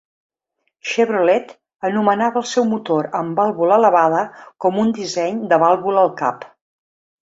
Chevrolet anomenava el seu motor amb vàlvula elevada com un disseny de "vàlvula-al-cap".